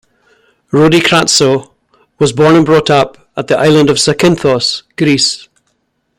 Rodi Kratsa was born and brought up at the island of Zakynthos, Greece.